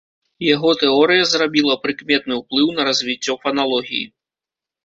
Яго тэорыя зрабіла прыкметны ўплыў на развіццё фаналогіі.